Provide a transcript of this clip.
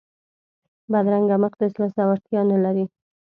بدرنګه مخ د زړه زړورتیا نه لري